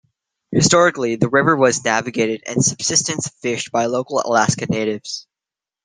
Historically, the river was navigated and subsistence fished by local Alaska Natives.